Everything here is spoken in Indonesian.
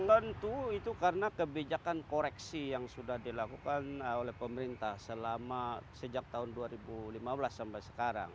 tentu itu karena kebijakan koreksi yang sudah dilakukan oleh pemerintah selama sejak tahun dua ribu lima belas sampai sekarang